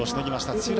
土浦